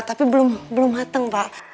tapi belum mateng pak